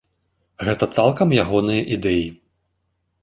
Гэта цалкам ягоныя ідэі.